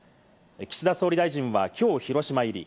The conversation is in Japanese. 岸田総理大臣はきょう広島入り。